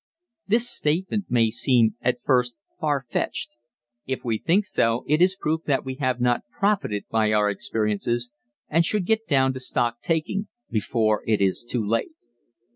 This statement may seem at first far fetched. If we think so it is proof that we have not profited by our experiences and should get down to "stock taking" before it is too late.